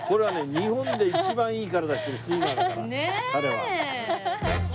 日本で一番いい体してるスイマーだから彼は。